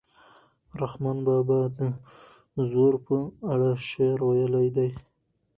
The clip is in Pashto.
رحمان بابا د زور په اړه شعر ویلی دی.